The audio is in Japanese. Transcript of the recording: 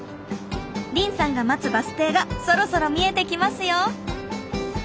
凜さんが待つバス停がそろそろ見えてきますよ。